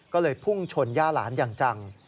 ก็เลยพุ่งชนย่าหลานอย่างจัง